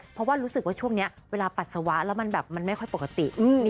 เพราะว่ารู้สึกว่าช่วงนี้เวลาปัสสาวะแล้วมันแบบมันไม่ค่อยปกติ